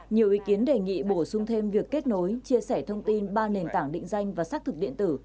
nhiều ý kiến đề nghị bổ sung thêm việc kết nối chia sẻ thông tin ba nền tảng định danh và xác thực điện tử